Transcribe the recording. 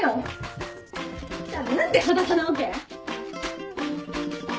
じゃあ何で裸なわけ！？